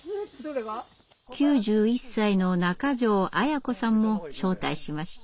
９１歳の中條アヤ子さんも招待しました。